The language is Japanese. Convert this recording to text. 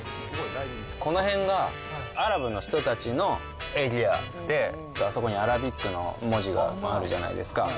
この辺がアラブの人たちのエリアで、あそこにアラビックの文字があるじゃないですか。